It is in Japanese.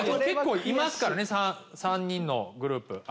結構いますからね３人のグループ。